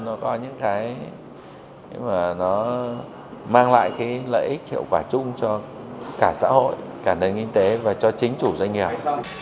nó có những cái mà nó mang lại cái lợi ích hiệu quả chung cho cả xã hội cả nền kinh tế và cho chính chủ doanh nghiệp